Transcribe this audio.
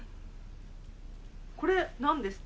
これ何ですか？